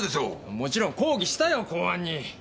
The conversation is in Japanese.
もちろん抗議したよ公安に！